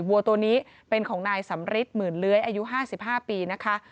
วัวตัวนี้เป็นของนายสำริทหมื่นเลื้อยอายุ๕๕ปีนะคะ